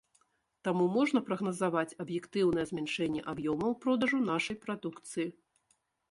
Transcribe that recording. Таму можна прагназаваць аб'ектыўнае змяншэнне аб'ёмаў продажу нашай прадукцыі.